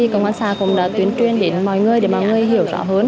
công an xã cũng đã tuyên truyền đến mọi người để mọi người hiểu rõ hơn